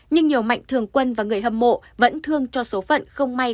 nhưng nhiều mạnh thường quân và người hâm mộ vẫn thương cho số phận không may